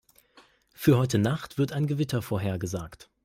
Für heute Nacht wird ein Gewitter vorhergesagt.